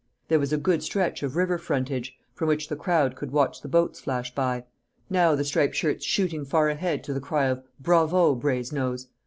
There was a good stretch of river frontage, from which the crowd could watch the boats flash by; now the striped shirts shooting far ahead to the cry of "Bravo, Brazenose!"